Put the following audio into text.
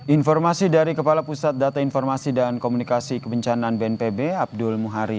informasi dari kepala pusat data informasi dan komunikasi kebencanaan bnpb abdul muhari